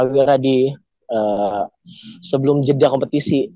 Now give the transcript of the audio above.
dan rawira di sebelum jeda kompetisi